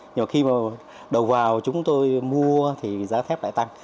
nhưng mà khi mà đầu vào chúng tôi mua thì giá thép lại tăng